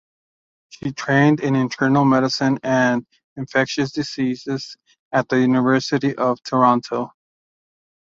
She trained in internal medicine and infectious diseases at the University of Toronto.